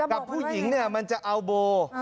กับผู้หญิงเนี่ยมันจะเอาโบ